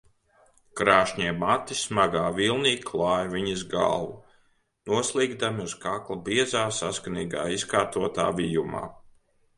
Krāšņie mati smagā vilnī klāja viņas galvu, noslīgdami uz kakla biezā, saskanīgi izkārtotā vijumā.